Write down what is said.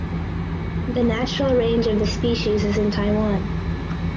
The natural range of the species is in Taiwan.